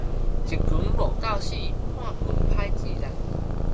一拳無夠死，半拳歹節力